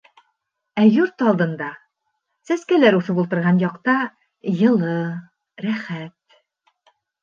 Ә йорт алдында, сәскәләр үҫеп ултырған яҡта, йылы, рәхәт.